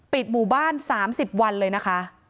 ปิดหมู่บ้านสามสิบวันเลยนะคะ